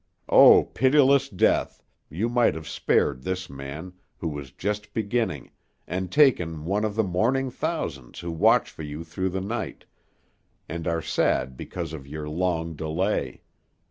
O, pitiless Death, you might have spared this man, who was just beginning, and taken one of the mourning thousands who watch for you through the night, and are sad because of your long delay.